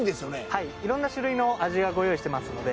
いろんな種類の味をご用意していますので。